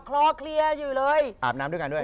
คลอเคลียร์อยู่เลยอาบน้ำด้วยกันด้วย